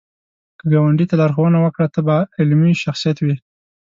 که ګاونډي ته لارښوونه وکړه، ته به علمي شخصیت وې